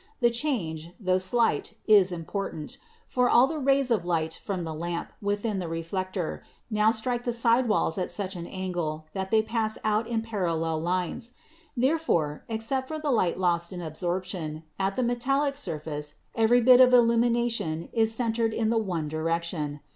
The change, tho slight, is important, for all the rays of light from the lamp within the reflector now strike the side walls at such an angle that they pass out in parallel lines; therefore, except for the light lost in absorption, at the metallic surface every bit of illumination is centered in the one direction.